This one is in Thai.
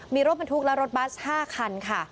มีรถบรรทุกและรถบัส๕คันค่ะ